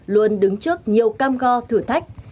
luôn đứng trước nhiều cam go thử thách